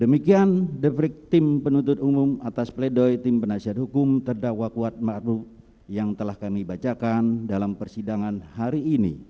demikian defrik tim penuntut umum atas pledoi tim penasihat hukum terdakwa kuat ⁇ maruf ⁇ yang telah kami bacakan dalam persidangan hari ini